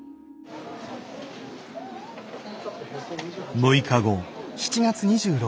６日後。